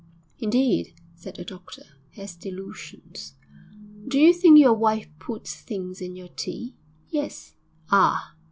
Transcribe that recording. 'Indeed!' said the doctor. 'Has delusions. Do you think your wife puts things in your tea?' 'Yes.' 'Ah!'